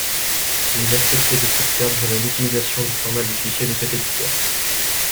Vous acceptez de faire perdurer l'utilisation du format de fichier de cet éditeur.